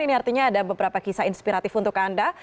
ini artinya ada beberapa kisah inspiratif untuk anda